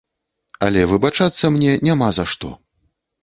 Але выбачацца мне няма за што.